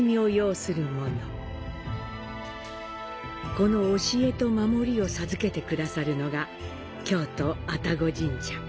この教えと守りを授けてくださるのが、京都愛宕神社。